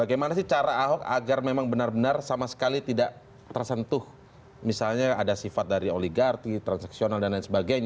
bagaimana sih cara ahok agar memang benar benar sama sekali tidak tersentuh misalnya ada sifat dari oligarki transaksional dan lain sebagainya